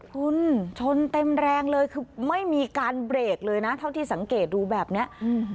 คุณชนเต็มแรงเลยคือไม่มีการเบรกเลยนะเท่าที่สังเกตดูแบบเนี้ยอืม